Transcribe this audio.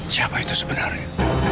siapa itu sebenarnya